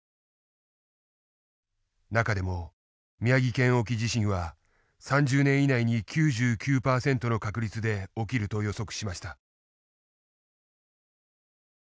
中でも宮城県沖地震は３０年以内に９９％の確率で起きると予測しました。